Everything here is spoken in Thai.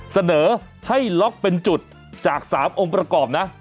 เสนอให้ล็อกเป็นจุดจาก๓องค์ประกอบนะ